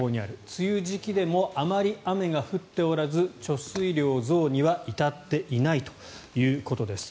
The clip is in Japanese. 梅雨時期でもあまり雨が降っておらず貯水量増には至っていないということです。